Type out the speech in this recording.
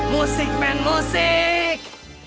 musik men musik